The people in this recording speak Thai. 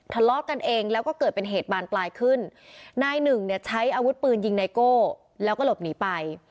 ทะเลาะกันเองแล้วก็เกิดเป็นเหตุบานปลายขึ้นนายหนึ่งเนี่ยใช้อาวุธปืนยิงไนโก้แล้วก็หลบหนีไป